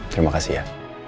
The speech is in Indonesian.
terima kasih ya